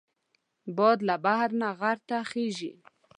باد له بحر نه غر ته خېژي